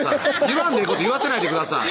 言わんでええこと言わせないでください